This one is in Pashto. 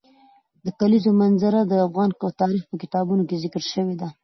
د کلیزو منظره د افغان تاریخ په کتابونو کې ذکر شوی دي.